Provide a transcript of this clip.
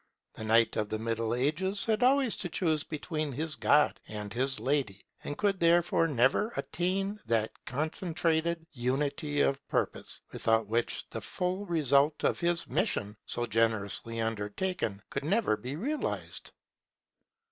The knight of the Middle Ages had always to choose between his God and his Lady; and could therefore never attain that concentrated unity of purpose, without which the full result of his mission, so generously undertaken, could never be realized.